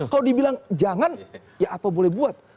kalau dibilang jangan ya apa boleh buat